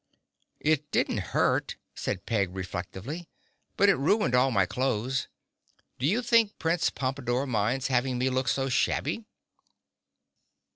"It didn't hurt," said Peg reflectively, "but it ruined all my clothes. Do you think Prince Pompadore minds having me look so shabby?"